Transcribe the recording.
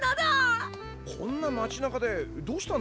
こんなまちなかでどうしたんだ？